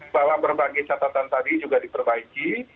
bahwa berbagai catatan tadi juga diperbaiki